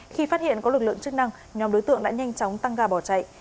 khi phát hiện có lực lượng chức năng nhóm đối tượng đã nhanh chóng tăng ga bỏ chạy